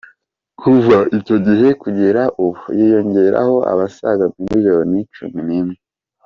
Kuva icyo gihe kugera ubu yiyongereyeho abasaga miliyoni cumi n’imwe.